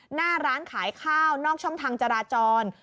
หน้าร้านขายข้าวนอกช่องทางจราจร